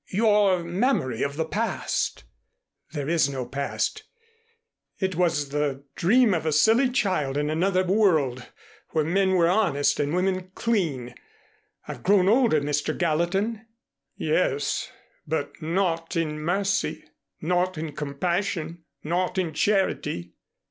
Your memory of the past " "There is no past. It was the dream of a silly child in another world where men were honest and women clean. I've grown older, Mr. Gallatin." "Yes, but not in mercy, not in compassion, not in charity."